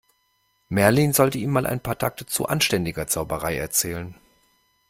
Merlin sollte ihm mal ein paar Takte zu anständiger Zauberei erzählen.